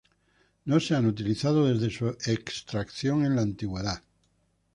No se han utilizado desde su extracción en la antigüedad.